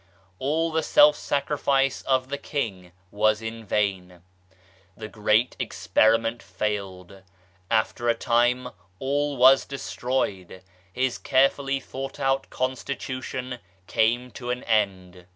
All the self sacrifice of the King was in vain. The great experiment failed. After a time all was destroyed ; his carefully thought out Constitution came to an end.